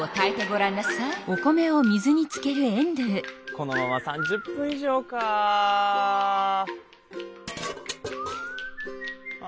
このまま３０分以上かあ。